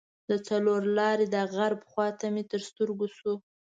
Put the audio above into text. د څلور لارې د غرب خواته مې تر سترګو شو.